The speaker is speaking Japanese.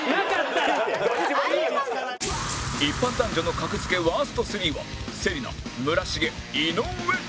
一般男女の格付けワースト３は芹那村重井上